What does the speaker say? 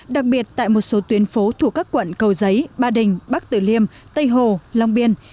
đặc biệt tại một số tuyến phố thuộc các quận cầu giấy ba đình bắc tử liêm tây hồ long biên